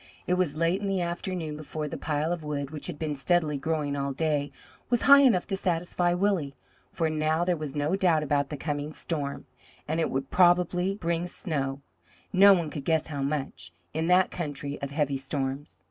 It was late in the afternoon before the pile of wood, which had been steadily growing all day, was high enough to satisfy Willie, for now there was no doubt about the coming storm, and it would probably bring snow; no one could guess how much, in that country of heavy storms.